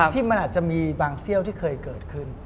ที่มันอาจจะมีบางเซี่ยวที่เคยเกิดขึ้น